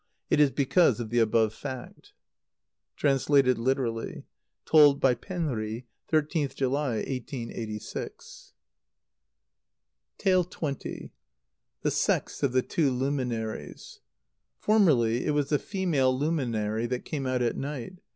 It is because of the above fact. (Translated literally. Told by Penri, 13th July, 1886.) xx. The Sex of the Two Luminaries. Formerly it was the female luminary that came out at night.